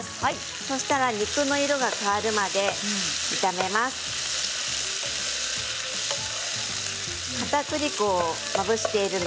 そうしたら肉の色が変わるまで炒めます。